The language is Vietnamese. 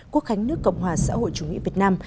quốc khánh nước cộng hòa xã hội chủ nghĩa việt nam